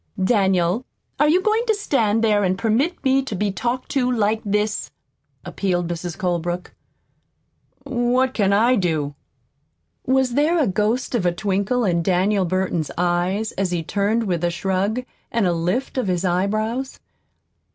"Daniel, are you going to stand there and permit me to be talked to like this?" appealed Mrs. Colebrook. "What can I do?" (Was there a ghost of a twinkle in Daniel Burton's eyes as he turned with a shrug and a lift of his eyebrows?)